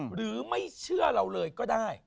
หรือไม่เชื่อเราเลยก็ได้